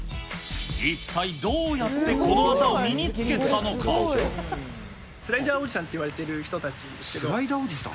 一体どうやってこの技を身にスライダーおじさんって呼ばスライダーおじさん？